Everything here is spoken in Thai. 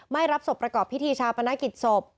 รับศพประกอบพิธีชาปนกิจศพ